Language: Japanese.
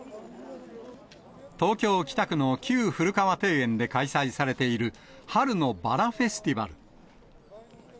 東京・北区の旧古河庭園で開催されている春のバラフェスティバル。